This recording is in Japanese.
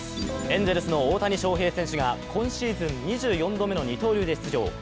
エンゼルスの大谷翔平選手が今シーズン２４度目の二刀流で出場。